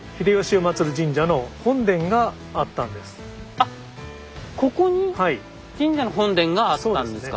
あっここに神社の本殿があったんですか？